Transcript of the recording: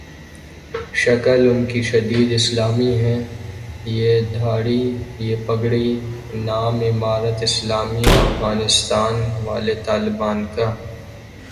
شکل انکی شدید اسلامی ہے ، یہ دھاڑی ، یہ پگڑی ، نام امارت اسلامیہ افغانستان والے طالبان کا ۔